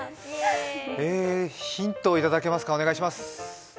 ヒントをいただけますか、お願いします。